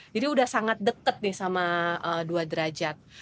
jadi udah sangat deket nih sama dua derajat